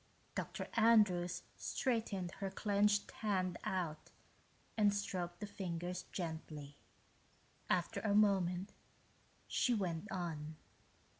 Dr. Andrews straightened her clenched hand out and stroked the fingers gently. After a moment, she went on.